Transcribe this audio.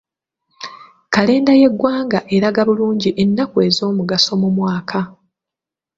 Kalenda y'eggwanga eraga bulungi ennaku ez'omugaso mu mwaka.